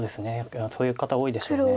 そういう方多いでしょうね。